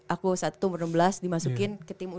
aku saat itu umur enam belas dimasukin ke tim u dua puluh